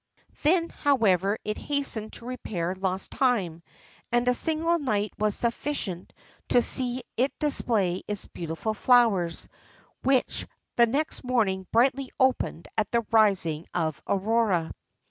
Then, however, it hastened to repair lost time, and a single night was sufficient to see it display its beautiful flowers, which the next morning brightly opened at the rising of Aurora.